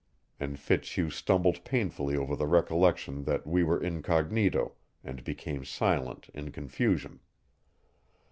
And Fitzhugh stumbled painfully over the recollection that we were incognito, and became silent in confusion.